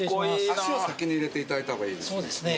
足を先に入れていただいた方がいいですね。